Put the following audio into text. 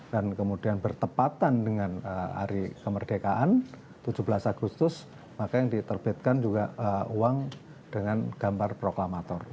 dan kemudian bertepatan dengan hari kemerdekaan tujuh belas agustus maka yang diterbitkan juga uang dengan gambar proklamator